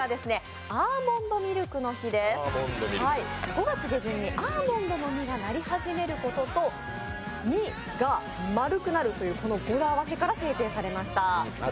５月下旬にアーモンドの実がなり始めることと、３が０という語呂合わせから制定されました。